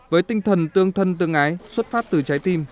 với tinh thần tương thân tương ái xuất phát từ trái tim